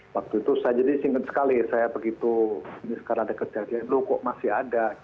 waktu itu saya jadi singkat sekali saya begitu ini sekarang ada kejadian dulu kok masih ada